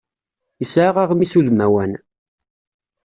Yesɛa aɣmis udmawan.